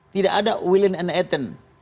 tidak ada william and ethan